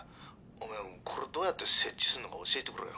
おめえこれどうやって設置するのか教えてくれよ」